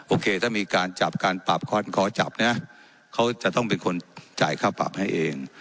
โอเคถ้ามีการจับการปรับคอนขอจับนะเขาจะต้องเป็นคนจ่ายค่าปรับให้เอง